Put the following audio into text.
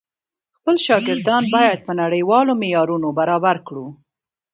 خپل شاګردان بايد په نړيوالو معيارونو برابر کړو.